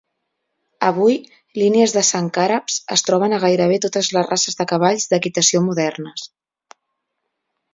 Avui, línies de sang àrabs es troben a gairebé totes les races de cavalls d'equitació modernes.